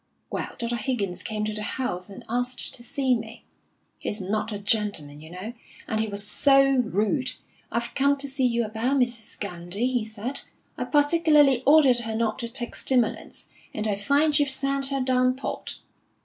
Well, Dr. Higgins came to the house, and asked to see me. He's not a gentleman, you know, and he was so rude! 'I've come to see you about Mrs. Gandy,' he said. 'I particularly ordered her not to take stimulants, and I find you've sent her down port.'